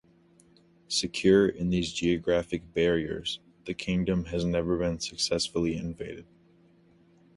Secure in these geographic barriers, the kingdom has never been successfully invaded.